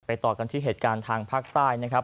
ต่อกันที่เหตุการณ์ทางภาคใต้นะครับ